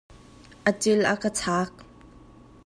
A cil a ka chak.